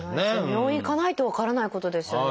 病院へ行かないと分からないことですよね。